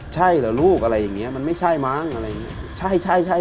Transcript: ใช่เหรอลูกอะไรอย่างเงี้ยมันไม่ใช่มั้งอะไรอย่างนี้ใช่ใช่